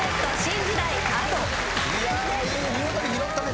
見事に拾ったね